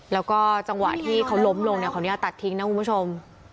แล้วก็จังหวะที่เขาล้มลงเนี่ยขออนุญาตตัดทิ้งนะคุณผู้ชม